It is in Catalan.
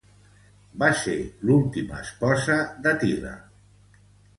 Va ser l'última esposa d'Àtila.